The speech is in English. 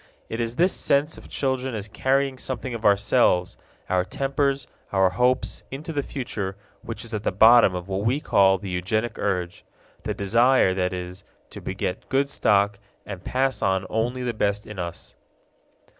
It is this sense of children as carrying something of ourselves, our tempers, our hopes, into the future which is at the bottom of what we call the eugenic urge the desire, that is, to beget good stock and pass on only the best in us.